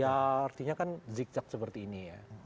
ya artinya kan zigzag seperti ini ya